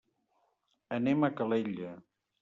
Anem a Calella.